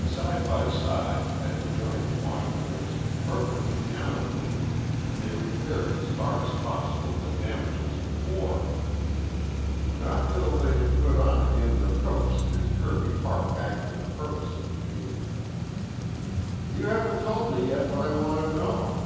Side by side at adjoining washbowls, perfectly amicably, they repaired as far as possible the damages of war. Not till they had put on again their coats did Kirby hark back to the purpose of the meeting. "You haven't told me yet what I want to know."